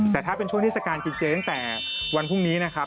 แต่ถ้าเป็นช่วงเทศกาลกินเจตั้งแต่วันพรุ่งนี้นะครับ